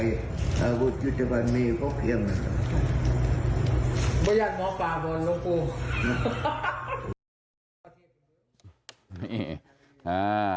หลวงปู่ท่านจะบอกว่ายังไงเนี่ยเดี๋ยวท่านลองฟังดูนะฮะ